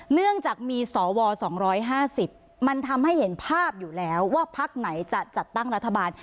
เนื่องจากมีสว๒๕๐มันทำให้เห็นภาพอยู่แล้วว่าพักไหนจะจัดตั้งรัฐบาล